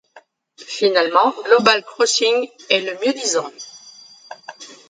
Finalement Global Crossing est le mieux disant.